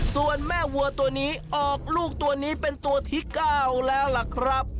ส่วนแม่วัวตัวนี้ออกลูกตัวนี้เป็นตัวที่๙แล้วล่ะครับ